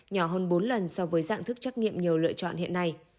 nhỏ hơn bốn lần so với dạng thức trắc nghiệm nhiều lựa chọn hiện nay